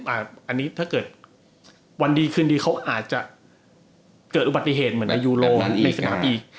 อันนี้ถ้าเกิดวันดีคืนดีเขาอาจจะเกิดอุบัติเหตุเหมือนในยูโรในสนามอีก